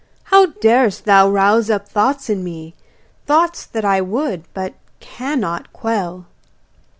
How darest thou rouse up thoughts in me, Thoughts that I would but cannot quell?